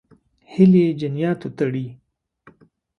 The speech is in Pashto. هیلې جنیاتو تړي.